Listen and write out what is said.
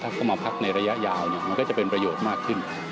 ถ้าเข้ามาพักในระยะยาวมันก็จะเป็นประโยชน์มากขึ้น